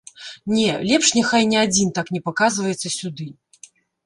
Не, лепш няхай ні адзін так не паказваецца сюды.